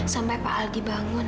sampai pak aldi bangun